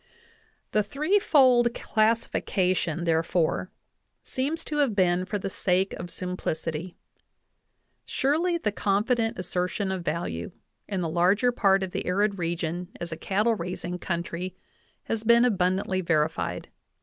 The threefold classification therefore seems to have been for the sake of simplicity; surely the confident assertion of value in the larger part of the arid region as a cattle raising country has been abundantly verified.